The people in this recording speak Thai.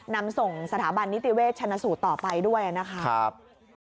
นำส่งสถาบันนิติเวชชนะสูตรต่อไปด้วยนะครับ